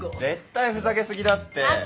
絶対ふざけ過ぎだって。